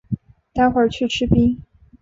待会去吃冰